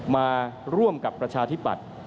มาร่วมกับประชาธิปัตย์